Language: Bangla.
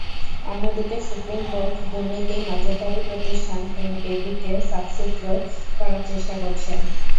অন্যদিকে সুপ্রিম কোর্ট দুর্নীতি নজরদারি প্রতিষ্ঠান এনএবিকে সাফসুতরো করার চেষ্টা করছেন।